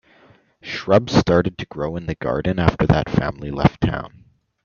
Shrubs started to grow in the garden after that family left town.